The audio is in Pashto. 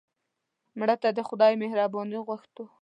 مړه ته د خدای مهرباني غوښتو